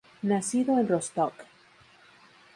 Nacido en Rostock.